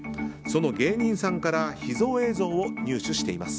その芸人さんから秘蔵映像を入手しています。